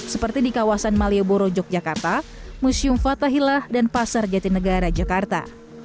seperti di kawasan malioboro yogyakarta museum fathahillah dan pasar jatinegara jakarta